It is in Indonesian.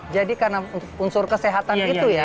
jadi karena unsur kesehatan itu ya